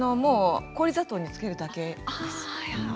氷砂糖に漬けるだけです。